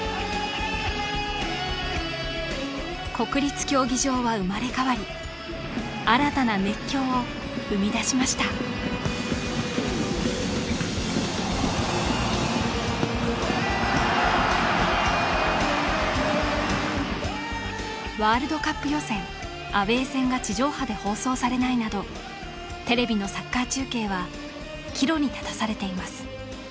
国立競技場は生まれ変わり新たな熱狂を生み出しましたワールドカップ予選アウェー戦が地上波で放送されないなどテレビのサッカー中継は岐路に立たされています